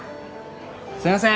すいませーん。